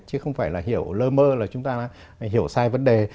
chứ không phải là hiểu lơ mơ là chúng ta phải hiểu sai vấn đề